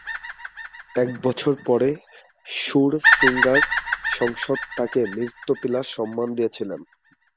এক বছর পরে সুর সিঙ্গার সংসদ তাঁকে "নৃত্য বিলাস" সম্মান দিয়েছিল।